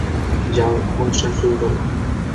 যাও, অনুষ্ঠান শুরু করো।